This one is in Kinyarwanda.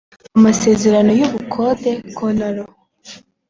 amasezerano y ubukode kontaro